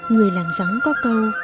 người làng giắng có câu